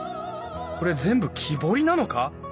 これ全部木彫りなのか！？